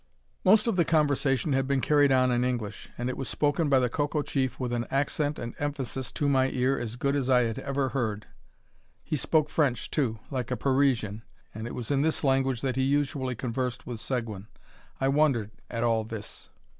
Most of the conversation had been carried on in English; and it was spoken by the Coco chief with an accent and emphasis, to my ear, as good as I had ever heard. He spoke French, too, like a Parisian; and it was in this language that he usually conversed with Seguin. I wondered at all this.